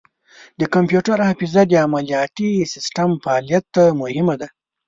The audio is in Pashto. د کمپیوټر حافظه د عملیاتي سیسټم فعالیت ته مهمه ده.